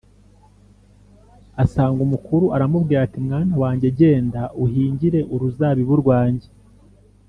asanga umukuru aramubwira ati, ‘mwana wanjye genda uhingire uruzabibu rwanjye’